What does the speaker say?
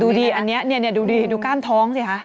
ดูดีอันนี้ดูดีดูก้านท้องสิคะ